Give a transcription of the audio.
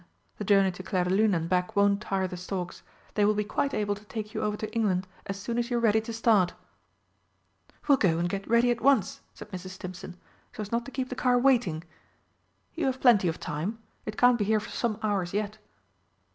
The journey to Clairdelune and back won't tire the storks they will be quite able to take you over to England as soon as you are ready to start." "We'll go and get ready at once," said Mrs. Stimpson, "so as not to keep the car waiting." "You have plenty of time. It can't be here for some hours yet."